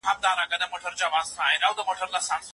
ته به په راتلونکي کي د خلګو له ستاینو څخه ډېر مغروره سې.